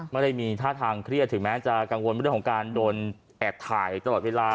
ไม่ได้มีท่าทางเครียดถึงแม้จะกังวลเรื่องของการโดนแอบถ่ายตลอดเวลา